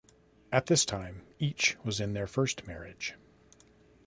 At this time, each was in their first marriage.